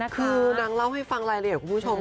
คือนางเล่าให้ฟังรายละเอียดคุณผู้ชม